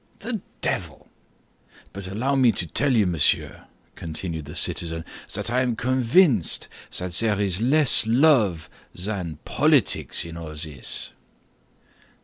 "The devil!" "But allow me to tell you, monsieur," continued the citizen, "that I am convinced that there is less love than politics in all this."